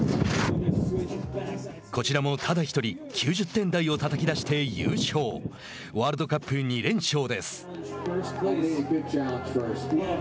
こちらもただ１人９０点台をたたき出して優勝ワールドカップ２連勝です。